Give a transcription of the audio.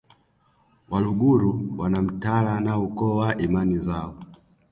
Waluguru wana mtala na ukoo kwa imani zao